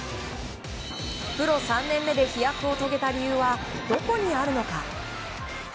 プロ３年目で飛躍を遂げた理由はどこにあるのか。